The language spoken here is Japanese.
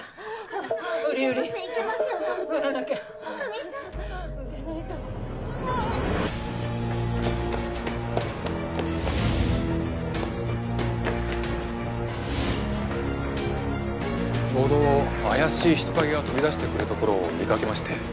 ちょうど怪しい人影が飛び出してくるところを見掛けまして。